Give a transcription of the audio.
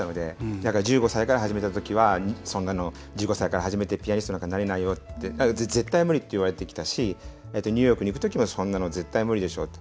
だから１５歳から始めたときはそんなの１５歳から始めてピアニストなんかなれないよって絶対無理って言われてきたしニューヨークに行くときもそんなの絶対無理でしょって。